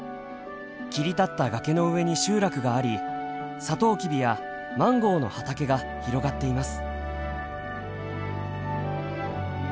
切り立った崖の上に集落がありサトウキビやマンゴーの畑が広がっています。